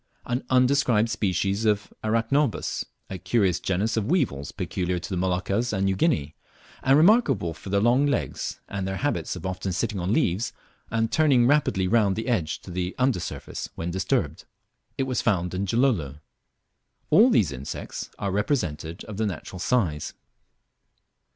An undescribed species of Arachnobas, a curious genus of weevils peculiar to the Moluccas and New Guinea, and remarkable for their long legs, and their habit of often sitting on leaves, and turning rapidly round the edge to the under surface when disturbed. It was found in Gilolo. All these insects are represented of the natural size.